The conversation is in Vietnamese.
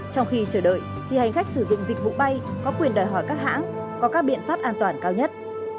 trong khi chờ đợi thì hành khách sử dụng dịch vụ bay có quyền đòi hỏi các hãng có các biện pháp an toàn cao nhất